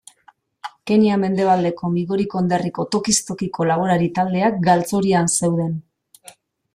Kenya mendebaldeko Migori konderriko tokiz tokiko laborari taldeak galtzorian zeuden.